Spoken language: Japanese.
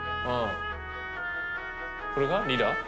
ああこれがリラ？